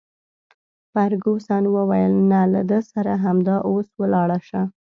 فرګوسن وویل: نه، له ده سره همدا اوس ولاړه شه.